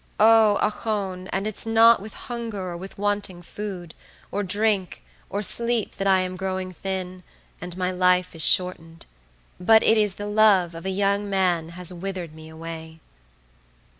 O, ochone, and it's not with hunger or with wanting food, or drink, or sleep, that I am growing thin, and my life is shortened; but it is the love of a young man has withered me away.